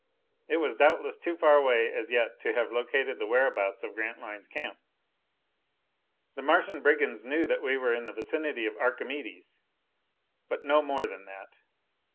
It was doubtless too far away as yet to have located the whereabouts of Grantline's camp. The Martian brigands knew that we were in the vicinity of Archimedes, but no more than that.